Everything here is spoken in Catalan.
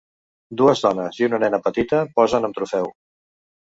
Dues dones i una nena petita posen amb trofeu.